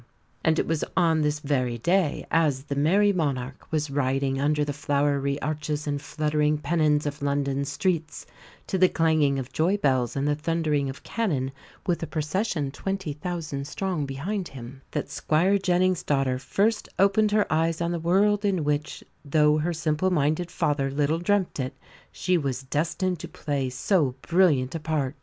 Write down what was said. [Illustration: SARAH, DUCHESS OF MARLBOROUGH] And it was on this very day, as the "Merrie Monarch" was riding under the flowery arches and fluttering pennons of London streets, to the clanging of joy bells and the thundering of cannon, with a procession twenty thousand strong behind him, that Squire Jennings' daughter first opened her eyes on the world in which, though her simple minded father little dreamt it, she was destined to play so brilliant a part.